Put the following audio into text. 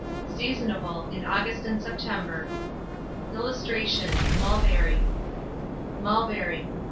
Seasonable in August and September. [Illustration: MULBERRY.] MULBERRY.